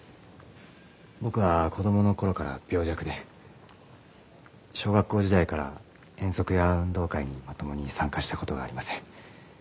僕は子供の頃から病弱で小学校時代から遠足や運動会にまともに参加した事がありません。